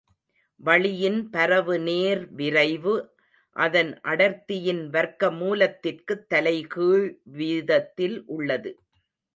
வளியின் பரவு நேர் விரைவு, அதன் அடர்த்தியின் வர்க்கமூலத்திற்குத் தலைகீழ் வீதத்தில் உள்ளது.